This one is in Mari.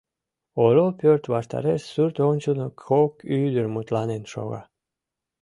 Орол пӧрт ваштареш сурт ончылно кок ӱдыр мутланен шога: